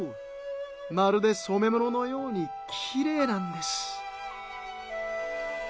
まるでそめもののようにきれいなんです。